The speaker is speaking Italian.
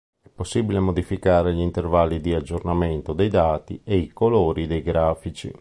È possibile modificare gli intervalli di aggiornamento dei dati e i colori dei grafici.